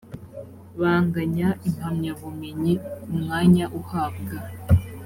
banganya impamyabumenyi umwanya uhabwa